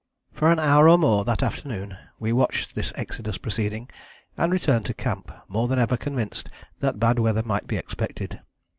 For an hour or more that afternoon we watched this exodus proceeding, and returned to camp, more than ever convinced that bad weather might be expected.